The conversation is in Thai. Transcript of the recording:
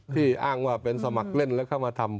อ้างว่าเป็นสมัครเล่นแล้วเข้ามาทำ